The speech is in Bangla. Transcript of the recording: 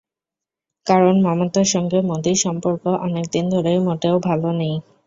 কারণ, মমতার সঙ্গে মোদির সম্পর্ক অনেক দিন ধরেই মোটেও ভালো নেই।